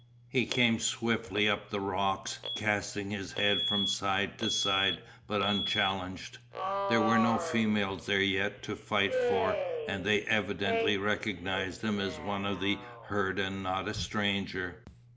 He came swiftly up the rocks, casting his head from side to side but unchallenged. There were no females there yet to fight for and they evidently recognized him as one of the herd and not a stranger.